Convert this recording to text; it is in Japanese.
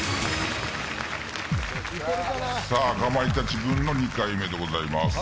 かまいたち軍の２回目でございます。